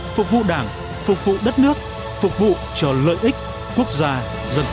phục vụ đảng phục vụ đất nước phục vụ cho lợi ích quốc gia dân tộc